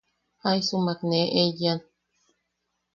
Jaisumak ne eiyan.